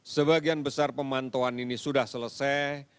sebagian besar pemantauan ini sudah selesai